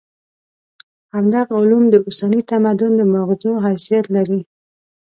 همدغه علوم د اوسني تمدن د ماغزو حیثیت لري.